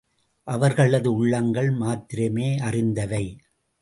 அவர்களது உள்ளங்கள் மாத்திரமே அறிந்தவை!